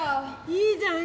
いいじゃん